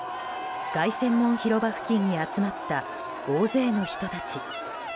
凱旋門広場付近に集まった大勢の人たち。